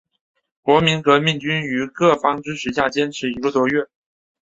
国民革命军于各方支持下坚持一个多月。